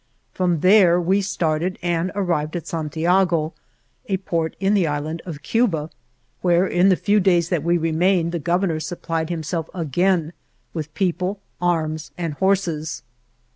From there we started and arrived at San tiago (a port in the Island of Cuba) where, in the few days that we remained the Gov ernor supplied himself again with people, arms and horses.